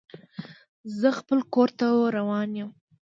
زه خپل کور ته روان یم.